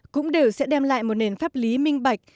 cũng đều sẽ đem lại một nền pháp lý minh bạch